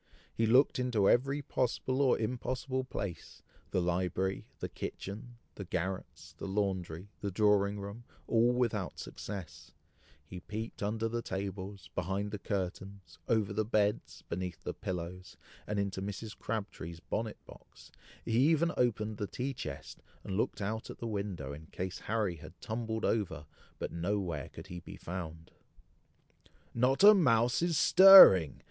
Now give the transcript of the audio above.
He looked into every possible or impossible place the library, the kitchen, the garrets, the laundry, the drawing room, all without success, he peeped under the tables, behind the curtains, over the beds, beneath the pillows, and into Mrs. Crabtree's bonnet box, he even opened the tea chest, and looked out at the window, in case Harry had tumbled over, but nowhere could he be found. "Not a mouse is stirring!"